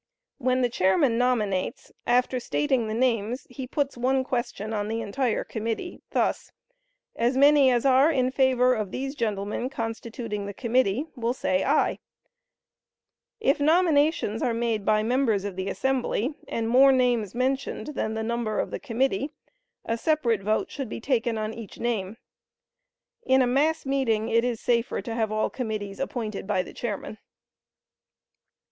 When the chairman nominates, after stating the names he puts one question on the entire committee, thus: "As many as are in favor of these gentlemen constituting the committee, will say aye." If nominations are made by members of the assembly, and more names mentioned than the number of the committee, a separate vote should be taken on each name. (In a mass meeting it is safer to have all committees appointed by the chairman.)